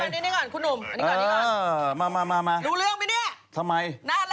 รู้เรื่องมั้ยนี่หน้าแรกทำไม